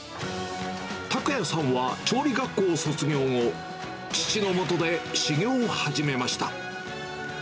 拓哉さんは、調理学校を卒業後、父の下で修業を始めました。